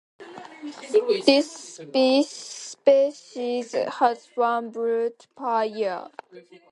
This species has one brood per year.